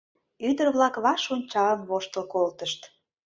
Ӱдыр-влак ваш ончалын воштыл колтышт.